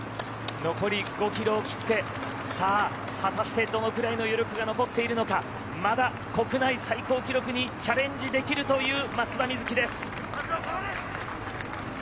残り５キロを切って果たしてどのくらいの余力が残っているのかまだ国内最高記録にチャレンジできるという松田瑞生です。